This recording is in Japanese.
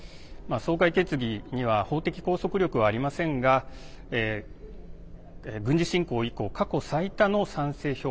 総会決議には法的拘束力はありませんが軍事侵攻以降、過去最多の賛成票